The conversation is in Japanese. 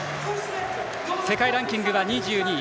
世界ランキングは２２位。